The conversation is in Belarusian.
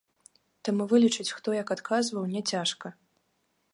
Таму вылічыць, хто як адказваў, няцяжка.